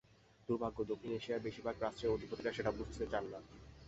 দুর্ভাগ্য, দক্ষিণ এশিয়ার বেশির ভাগ রাষ্ট্রের অধিপতিরা সেটি বুঝতে চান না।